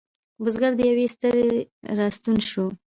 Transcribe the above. بزگر له یویې ستړی را ستون شو.